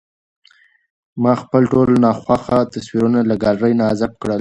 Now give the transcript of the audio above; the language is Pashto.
ما خپل ټول ناخوښه تصویرونه له ګالرۍ نه حذف کړل.